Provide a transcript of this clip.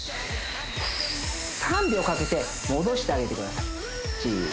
スー３秒かけて戻してあげてください